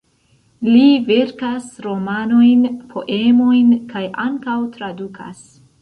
Li verkas romanojn, poemojn kaj ankaŭ tradukas.